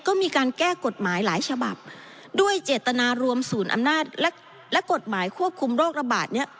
ก็มีการแก้กฎหมายหลายฉบับด้วยเจตนารวมศูนย์อำนาจและกฎหมายควบคุมโรคระบาดเนี่ย